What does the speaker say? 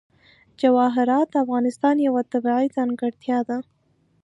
جواهرات د افغانستان یوه طبیعي ځانګړتیا ده.